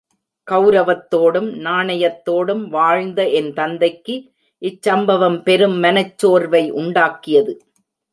கெளரவத்தோடும் நாணயத்தோடும் வாழ்ந்த என் தந்தைக்கு இச்சம்பவம் பெரும் மனச் சோர்வை உண்டாக்கியது.